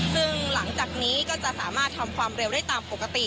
ซึ่งหลังจากนี้ก็จะสามารถทำความเร็วได้ตามปกติ